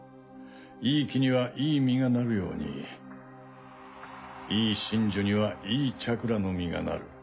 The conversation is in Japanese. いい木にはいい実がなるようにいい神樹にはいいチャクラの実がなる。